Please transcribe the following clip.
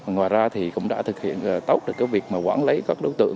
ngoài ra thì cũng đã thực hiện tốt được cái việc mà quản lý các đối tượng